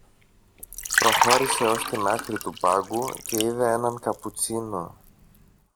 Προχώρησε ως την άκρη του πάγκου και είδε έναν καπουτσίνο